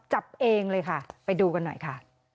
จับเองเลยค่ะไปดูกันหน่อยค่ะ